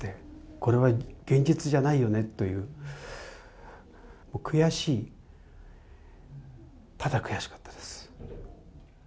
これは現実じゃないよねっていう、悔しい、ただ悔しかったです。